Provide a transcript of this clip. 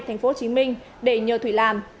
tp hcm để nhờ thủy làm